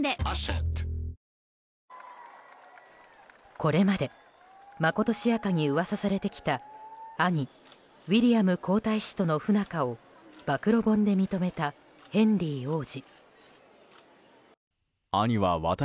これまでまことしやかに噂されてきた兄ウィリアム皇太子との不仲を暴露本で認めたヘンリー王子。